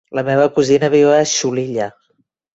La meva cosina viu a Xulilla.